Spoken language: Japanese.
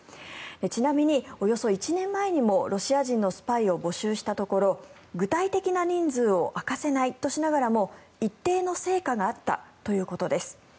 ちなみにおよそ１年前にもロシア人のスパイを募集したところ具体的な人数を明かせないとしながらも一定の成果があったということです。